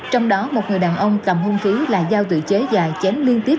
trong đó một người đàn ông cầm hung khí là dao tự chế dài chén liên tiếp